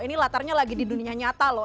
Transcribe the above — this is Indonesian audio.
ini latarnya lagi di dunia nyata loh